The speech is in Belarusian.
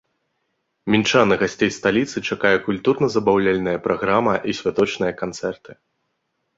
Мінчан і гасцей сталіцы чакае культурна-забаўляльная праграма і святочныя канцэрты.